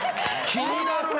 気になるね